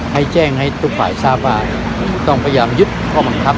ให้แจ้งให้ทุกฝ่ายทราบว่าต้องพยายามยึดข้อบังคับ